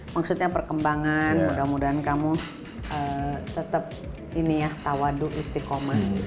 maksudnya perkembangan mudah mudahan kamu tetap ini ya tawadu istiqomah